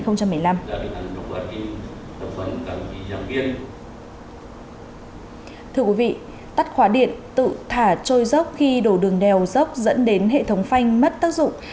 thưa quý vị tắt khóa điện tự thả trôi dốc khi đổ đường đèo dốc dẫn đến hệ thống phanh mất tác dụng